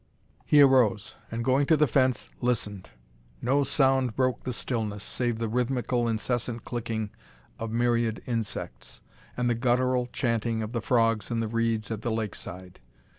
He arose, and going to the fence, listened. No sound broke the stillness, save the rhythmical incessant clicking of myriad insects, and the guttural chanting of the frogs in the reeds at the lake side.